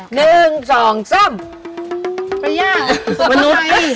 หนึ่งสองซ้ำยาดมนุษย์ป้า